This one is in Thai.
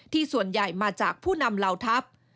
ส่วนใหญ่มาจากผู้นำเหล่าทัพ